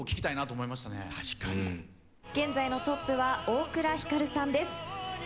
現在のトップは大倉光琉さんです。